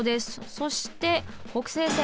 そして北勢線！